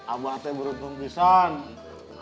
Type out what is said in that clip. abah ate beruntung pisah